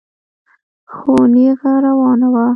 خو نېغه روانه وه.